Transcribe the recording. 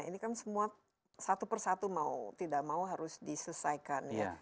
ini kan semua satu persatu mau tidak mau harus diselesaikan ya